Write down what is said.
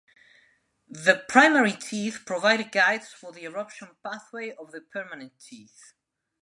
The primary teeth provide guides for the eruption pathway of the permanent teeth.